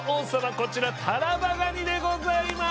こちらタラバガニでございます！